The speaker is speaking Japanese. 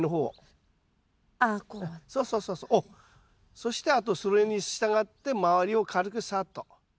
そしてあとそれに従って周りを軽くさっと。